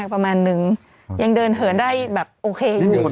ด้วยเจ้าโดยกินสารคน